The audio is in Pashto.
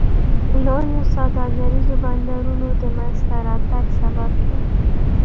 لویو سوداګریزو بندرونو د منځته راتګ سبب شول.